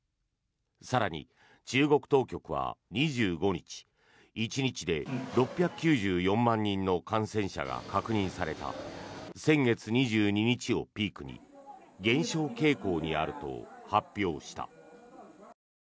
更に、中国当局は２５日１日で６９４万人の感染者が確認された先月２２日をピークに減少傾向にあると発表した。